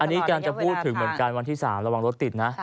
อันนี้กำลังจะพูดถึงเหมือนกันวันที่๓ระวังรถติดนะ